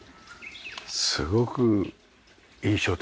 すごく印象的です。